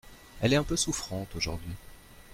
Elle est un peu souffrante aujourd’hui…